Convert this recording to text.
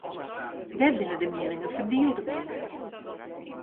Dêr binne de mieningen ferdield oer.